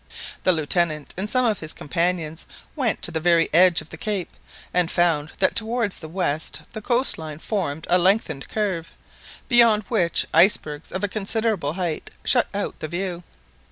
The Lieutenant and some of his companions went to the very edge of the cape, and found that towards the west the coast line formed a lengthened curve, beyond which icebergs of a considerable height shut out the view.